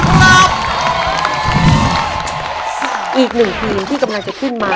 อีก๑ทีที่กรรมการต้องขึ้นมา